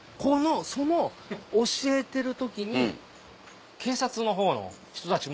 その教えてる時に警察の方の人たちも。